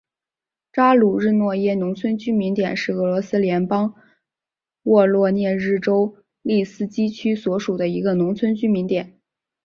扎卢日诺耶农村居民点是俄罗斯联邦沃罗涅日州利斯基区所属的一个农村居民点。